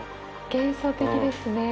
幻想的ですね。